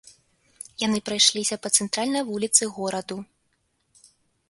Яны прайшліся па цэнтральнай вуліцы гораду.